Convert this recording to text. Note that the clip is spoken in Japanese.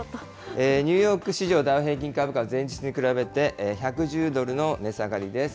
ニューヨーク市場ダウ平均株価、前日に比べて１１０ドルの値下がりです。